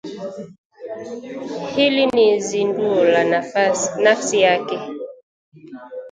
Hili ni zinduo la nafsi yake